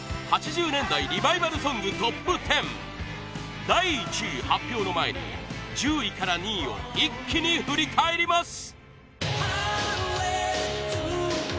８０年代リバイバルソング ＴＯＰ１０ 第１位発表の前に、１０位から２位を一気に振り返ります